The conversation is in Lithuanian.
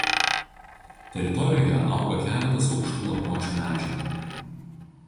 Teritorijoje auga keletas aukštų lapuočių medžių.